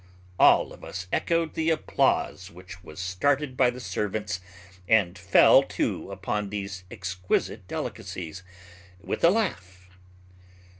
All of us echoed the applause which was started by the servants, and fell to upon these exquisite delicacies, with a laugh.